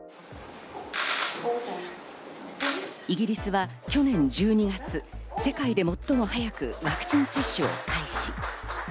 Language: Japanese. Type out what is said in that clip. イギリスは去年１２月、世界で最も早くワクチン接種を開始。